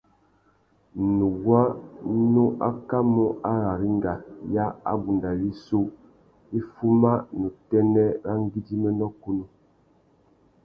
Nuguá nu akamú ararringa ya abunda wissú i fuma nà utênê râ ngüidjiménô kunú.